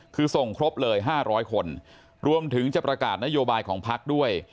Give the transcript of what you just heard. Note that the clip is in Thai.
คือส่งครบเลย๕๐๐คนรวมถึงจะประกาศนโยบายของพักด้วย